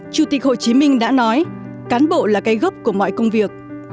chủ tịch hồ chí minh đã nói cán bộ là cây gốc của mọi công việc